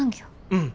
うん。